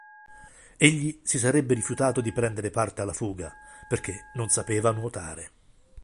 Egli si sarebbe rifiutato di prendere parte alla fuga, perché non sapeva nuotare.